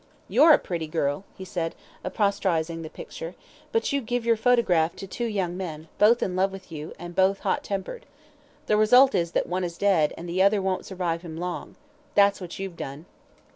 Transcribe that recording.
"You're a pretty girl," he said, apostrophising the picture, "but you give your photograph to two young men, both in love with you, and both hot tempered. The result is that one is dead, and the other won't survive him long. That's what you've done."